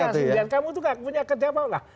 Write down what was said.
iya sindiran kamu tuh nggak punya kejabat lah